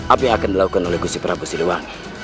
apa yang akan dilakukan oleh gusti prabu siliwangi